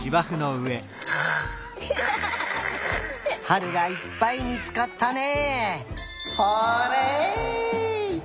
はるがいっぱいみつかったね！